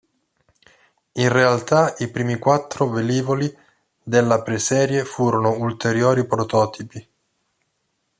In realtà i primi quattro velivoli della preserie furono ulteriori prototipi.